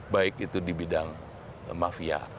baik itu di bidang mafia